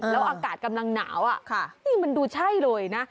แล้วอากาศกำลังหนาวนี่มันดูใช่เลยนะ